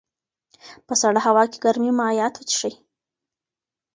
په سړه هوا کې ګرمې مایعات وڅښئ.